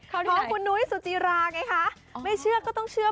เข้าที่ไหนท้องคุณนุ้ยสุจีราไงคะไม่เชื่อก็ต้องเชื่อ